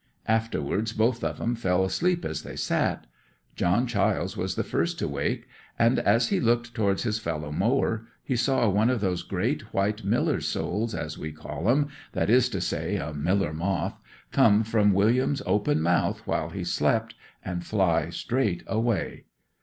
Afterwards both of 'em fell asleep as they sat. John Chiles was the first to wake, and as he looked towards his fellow mower he saw one of those great white miller's souls as we call 'em—that is to say, a miller moth—come from William's open mouth while he slept, and fly straight away.